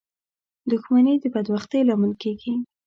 • دښمني د بدبختۍ لامل کېږي.